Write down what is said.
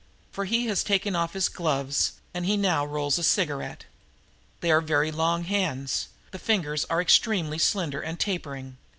For he has taken off his gloves and he now rolls a cigarette. They are very long hands. The fingers are extremely slender and tapering.